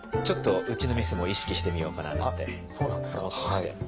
ちょっとうちの店も意識してみようかなあなんて。